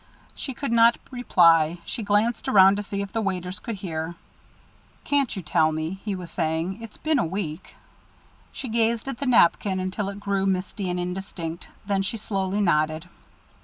She could not reply. She glanced around to see if the waiters could hear. "Can't you tell me?" he was saying. "It's been a week." She gazed at the napkin until it grew misty and indistinct. Then she slowly nodded.